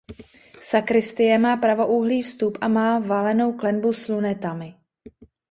Sakristie má pravoúhlý vstup a má valenou klenbu s lunetami.